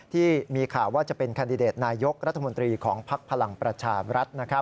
ที่มีข่าวว่าจะเป็นคันดิเดตนายกรัฐมนตรีของภักดิ์พลังประชาบรัฐ